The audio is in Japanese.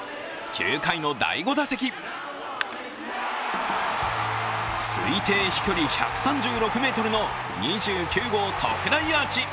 ９回の第５打席推定飛距離１３６ｍの２９号特大アーチ。